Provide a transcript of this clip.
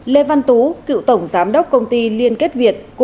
lê văn tú cựu tổng giám đốc công ty liên kết việt